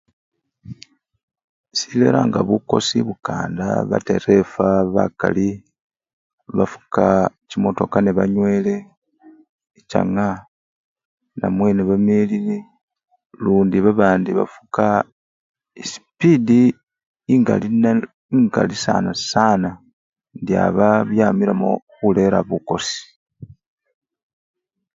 Sireranga bukosi ibukanda badereva bakali bafuka chimotoka nebanywele ichanga namwe nebamelile lundi babandi bafuka esipidi engali no! engali sana sana indiaba byamilamo khulera bukosi.